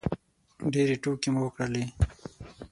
ډېرې ټوکې مو وکړلې